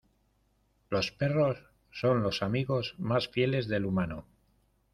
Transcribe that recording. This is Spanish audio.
Los perros son los amigos más fieles del humano.